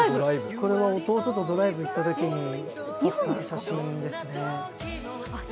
これは弟とドライブに行ったときに撮った写真ですね。